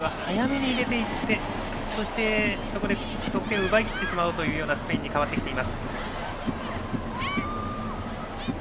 少しボールをつなぐというよりは早めに入れていってそして、そこで得点を奪いきってしまおうというようなスペインに変わってきています。